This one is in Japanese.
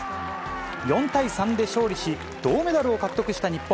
４対３で勝利し、銅メダルを獲得した日本。